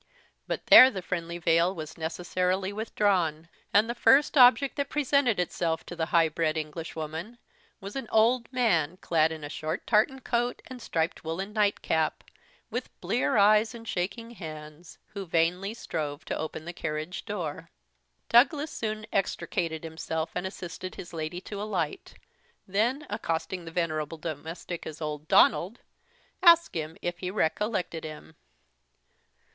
But there the friendly veil was necessarily withdrawn, and the first object that presented itself to the highbred Englishwoman was an old man clad in a short tartan coat and striped woollen night cap, with blear eyes and shaking hands, who vainly strove to open the carriage door. Douglas soon extricated himself, and assisted his lady to alight; then accosting the venerable domestic as "Old Donald," asked him if he recollected him.